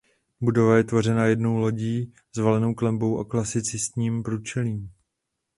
Budova je tvořená jednou lodí s valenou klenbou a klasicistním průčelím.